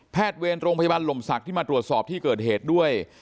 เวรโรงพยาบาลลมศักดิ์ที่มาตรวจสอบที่เกิดเหตุด้วย